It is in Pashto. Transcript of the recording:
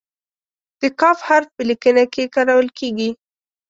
د "ک" حرف په لیکنه کې کارول کیږي.